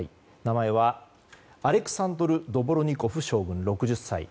名前はアレクサンドル・ドボルニコフ将軍、６０歳。